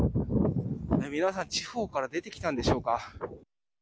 皆さん地方から出てきたんでしょうか。